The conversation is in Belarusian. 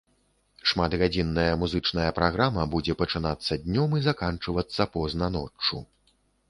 Шматгадзінная музычная праграма будзе пачынацца днём і заканчвацца позна ноччу.